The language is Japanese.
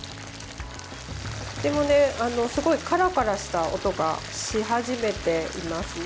すごいカラカラした音がし始めていますね。